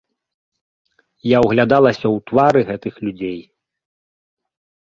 Я ўглядалася ў твары гэтых людзей.